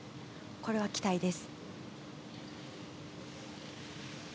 これは期待です。